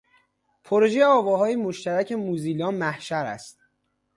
پروژهٔ آواهای مشترک موزیلا محشر است.